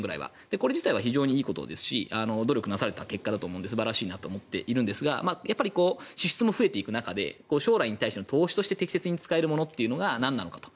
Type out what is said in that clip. これ自体は非常にいいことですし努力なされた結果で素晴らしいと思うんですが支出も増えていく中で将来への投資として適切に使えるのは何なのかと。